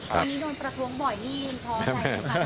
ทีนี้โดนประท้วงบ่อยนี่พอใจไหมครับ